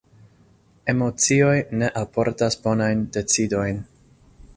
Emocioj ne alportas bonajn decidojn.